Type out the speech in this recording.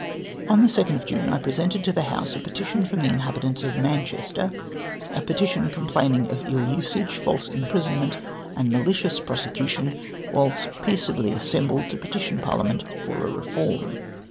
On tlie 2nd of June I presented to tlie House a peti tion from the mhabitants of Manchester, a petition com plaining of ill usage, false imprisonment, and maUcious prosecution, whilst peaceably assembled to petition Par liament for a reform.